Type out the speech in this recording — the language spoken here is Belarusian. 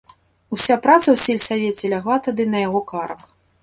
Уся праца ў сельсавеце лягла тады на яго карак.